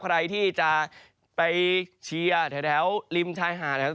ใครที่จะไปเชียร์แถวริมชายหาดนะครับ